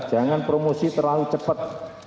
jangan promosi terlalu cepat